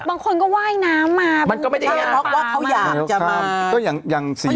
บางคนก็ว่ายน้ำมาเพราะว่าเขาอยากจะมา